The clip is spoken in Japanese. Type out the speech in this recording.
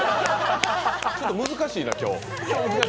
ちょっと難しいな、今日。